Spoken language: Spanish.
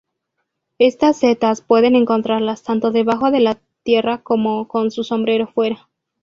Estas setas puedes encontrarlas tanto debajo de tierra, como con su sombrero fuera.